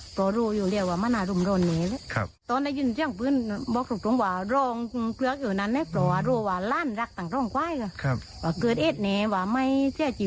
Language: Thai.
พอรู้ก็รู้ว่ามันอรุนเล่นเนี่ย